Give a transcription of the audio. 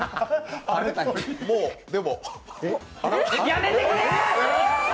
もう、でも。